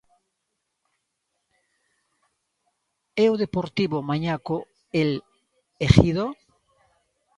E o Deportivo mañá co El Ejido.